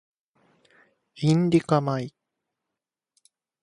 インディカ米